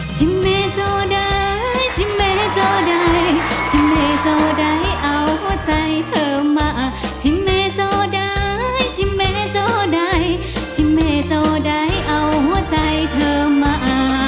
ชิมเมจอดายชิมเมจอดายชิมเมจอดายเอาใจเธอมา